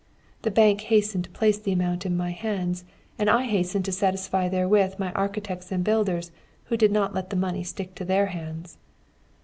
The bank hastened to place the amount in my hands; and I hastened to satisfy therewith my architects and builders, who did not let the money stick to their hands.